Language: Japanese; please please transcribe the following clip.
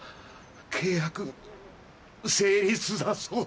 契約成立だそうです。